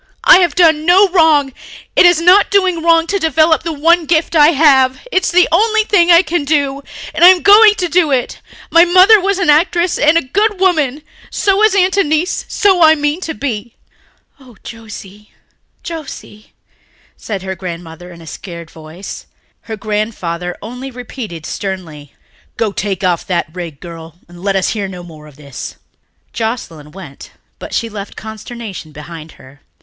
I have done no wrong ... it is not doing wrong to develop the one gift I have. It's the only thing I can do ... and I am going to do it. My mother was an actress and a good woman. So is Aunt Annice. So I mean to be." "Oh, Josie, Josie," said her grandmother in a scared voice. Her grandfather only repeated sternly, "Go, take that rig off, girl, and let us hear no more of this." Joscelyn went but she left consternation behind her.